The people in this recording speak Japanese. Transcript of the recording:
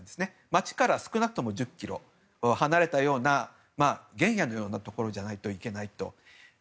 街から少なくとも１０ｋｍ離れたような原野のようなところじゃないといけないと。